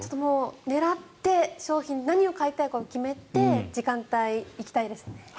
狙って商品何を買いたいか決めて時間帯、行きたいですね。